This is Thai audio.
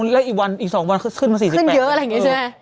แล้วอีกวันอีก๒วันขึ้นมา๔๘บาท